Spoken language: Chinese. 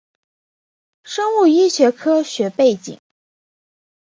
生物医学科学背景